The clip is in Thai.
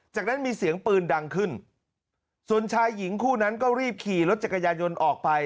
จากนั้นมีเสียงปืนดังขึ้นส่วนชายหญิงคู่นั้นก็รีบขี่รถจักรยายนต์ออกไป